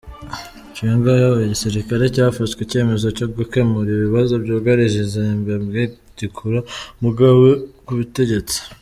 Chiwenga yayoboye igisirikare cyafashwe icyemezo cyo gukemura ibibazo byugarije Zimbabwe gikura Mugabe ku butegetsi.